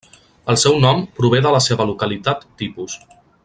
El seu nom prové de la seva localitat tipus.